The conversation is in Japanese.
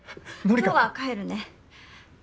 今日は帰るね。